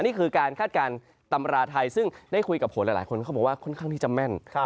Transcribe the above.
นี่คือการคาดการณ์ตำราไทยซึ่งได้คุยกับผลหลายคนเขาบอกว่าค่อนข้างที่จะแม่น